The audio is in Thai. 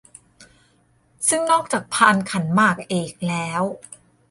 ซึ่งนอกจากพานขันหมากเอกแล้ว